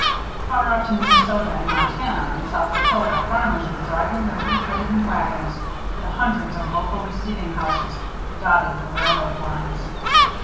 Far out in Minnesota and Montana and South Dakota farmers were driving their wheat laden wagons to the hundreds of local receiving houses that dotted the railroad lines.